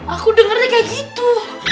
aku dengarnya kayak gitu